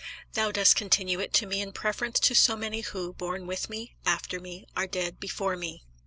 Thou dost continue it to me in preference to so many who, born with me, after me, are dead before me.